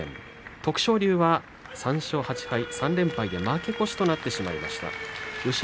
徳勝龍は３連敗で負け越しとなってしまいました。